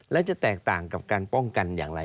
และจะแตกต่างกับการป้องกันอย่างไร